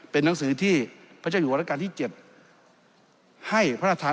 เป็นหนังสือที่พระเจ้าอยู่กับรัฐกาลที่๗